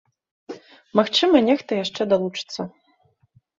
Магчыма, нехта яшчэ далучыцца.